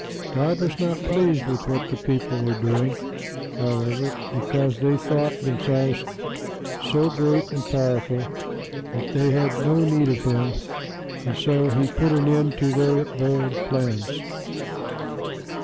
God was not pleased with what the people were doing, however, because they thought themselves so great and powerful that they had no need of Him, and so He put an end to their bold plans.